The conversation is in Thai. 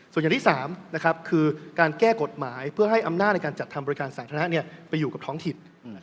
ส่วนอย่างที่๓คือการแก้กฎหมายเพื่อให้อำนาจในการจัดทำบริการสาธารณะไปอยู่กับท้องถิ่น